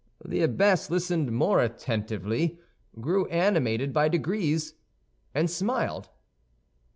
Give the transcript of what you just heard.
The abbess listened more attentively, grew animated by degrees, and smiled.